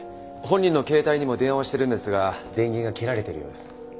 本人の携帯にも電話してるんですが電源が切られているようです。